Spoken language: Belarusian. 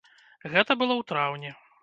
Гэта было ў траўні.